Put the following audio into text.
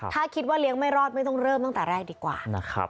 ถ้าคิดว่าเลี้ยงไม่รอดไม่ต้องเริ่มตั้งแต่แรกดีกว่านะครับ